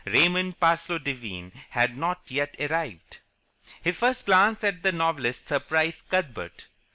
Raymond Parsloe Devine had not yet arrived. His first glance at the novelist surprised Cuthbert.